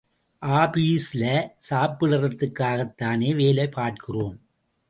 ஆபீஸ்ல, சாப்பிடுறதுக்காகத்தானே வேலை பார்க்கிறோம்.